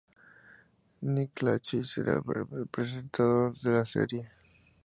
Nick Lachey será el presentador de la serie.